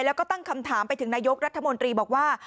แล้วก็ตั้งคำถามไปถึงนายกรัฐมนตรีบอกว่า